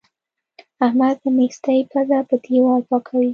احمد له نېستۍ پزه په دېوال پاکوي.